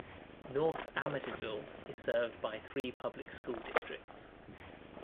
North Amityville is served by three public school districts.